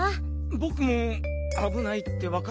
ぼくもあぶないってわかってたはずなのに。